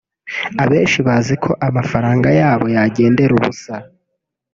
Abenshi bazi ko amafaranga yabo yagendera ubusa